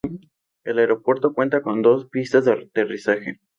El aeropuerto cuenta con dos pistas de aterrizaje.